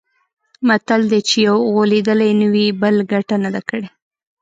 متل دی: چې یو غولېدلی نه وي، بل ګټه نه ده کړې.